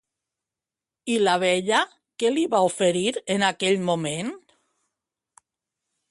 I la vella, què li va oferir en aquell moment?